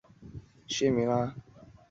桦树液也可用做化妆品。